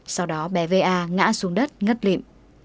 sau đó bé va ngã xuống đất ngất liệm